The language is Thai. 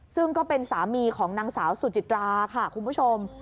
ซึ่งก็เป็นสามีของนางสาวสุจิตราค่ะคุณผู้ชม